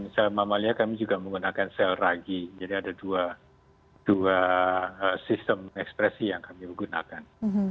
sel mamalia kami juga menggunakan sel ragi jadi ada dua sistem ekspresi yang kami gunakan